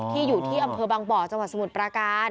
อยู่ที่อำเภอบางบ่อจังหวัดสมุทรปราการ